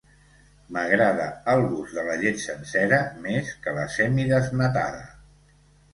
M'agrada el gust de la llet sencera més que la semidesnatada.